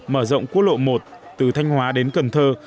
mở rộng quốc lộ một từ thanh hóa đến cần thơ